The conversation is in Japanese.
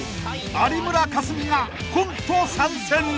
有村架純がコント参戦！］